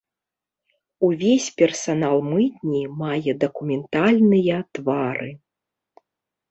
Увесь персанал мытні мае дакументальныя твары.